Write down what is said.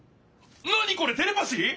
何これテレパシー！？